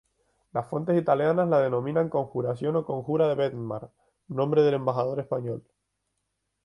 Las fuentes italianas la denominan conjuración o conjura de Bedmar, nombre del embajador español.